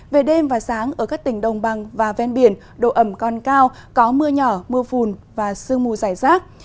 về đêm và sáng ở các tỉnh đồng bằng và ven biển độ ẩm còn cao có mưa nhỏ mưa phùn và sương mù dài rác